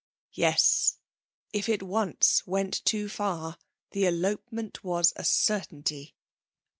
Yes, if it once went too far the elopement was a certainty.